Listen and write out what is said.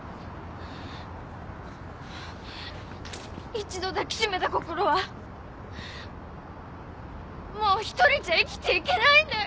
一度抱きしめた心はもう一人じゃ生きていけないんだよ。